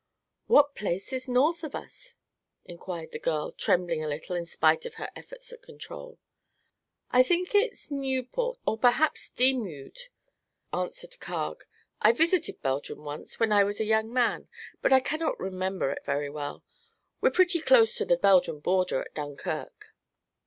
"What place is north of us?" inquired the girl, trembling a little in spite of her efforts at control. "I think it is Nieuport or perhaps Dixmude," answered Carg. "I visited Belgium once, when I was a young man, but I cannot remember it very well. We're pretty close to the Belgian border, at Dunkirk."